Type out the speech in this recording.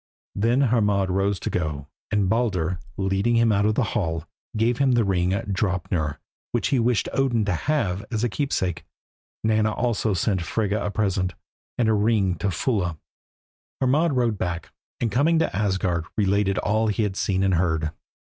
Then Hermod rose to go, and Baldur, leading him out of the hall, gave him the ring, Draupnir, which he wished Odin to have as a keepsake. Nanna also sent Frigga a present, and a ring to Fulla. Hermod rode back, and coming to Asgard related all he had seen and heard.